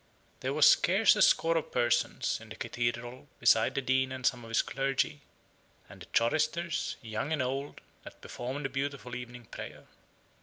There was scarce a score of persons in the Cathedral beside the Dean and some of his clergy, and the choristers, young and old, that performed the beautiful evening prayer.